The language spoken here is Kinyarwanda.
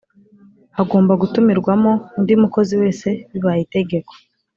Hagomba gutumirwamo undi mukozi wese bibaye itegeko